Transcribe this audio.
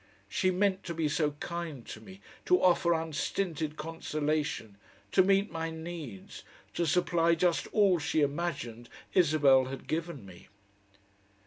She meant to be so kind to me, to offer unstinted consolation, to meet my needs, to supply just all she imagined Isabel had given me.